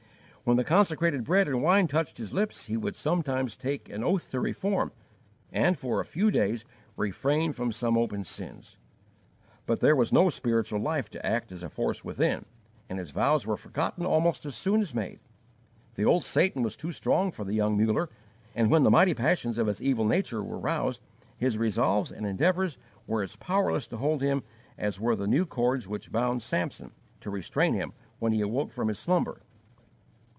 When the consecrated bread and wine touched his lips he would sometimes take an oath to reform, and for a few days refrain from some open sins; but there was no spiritual life to act as a force within, and his vows were forgotten almost as soon as made. The old Satan was too strong for the young Muller, and, when the mighty passions of his evil nature were roused, his resolves and endeavours were as powerless to hold him as were the new cords which bound Samson, to restrain him, when he awoke from his slumber.